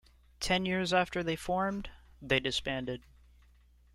Ten years after they formed, they disbanded.